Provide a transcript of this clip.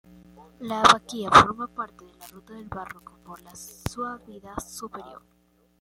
La abadía forma parte de la ruta del barroco por la Suabia superior.